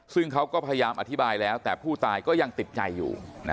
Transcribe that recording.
ซึ่งเขาก็พยายามอธิบายแล้วแต่ผู้ตายก็ยังติดใจอยู่